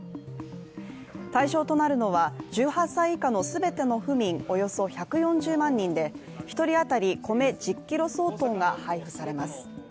対象となるのは１８歳以下の全ての府民およそ１４０万人で１人当たり米１０ｋｇ相当が配布されます。